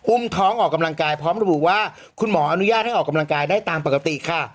ท้องออกกำลังกายพร้อมระบุว่าคุณหมออนุญาตให้ออกกำลังกายได้ตามปกติค่ะ